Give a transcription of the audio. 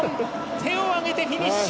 手をあげてフィニッシュ。